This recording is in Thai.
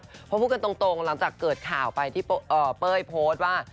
เพราะพูดกันตรงหลังจากเกิดข่าวไปที่เป้ยโพสต์ว่า